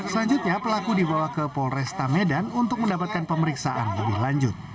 selanjutnya pelaku dibawa ke polresta medan untuk mendapatkan pemeriksaan lebih lanjut